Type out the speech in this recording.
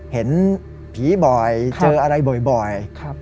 เห็นผีบ่อยเจออะไรบ่อย